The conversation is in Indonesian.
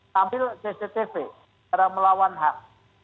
tampil cctv secara melawan hak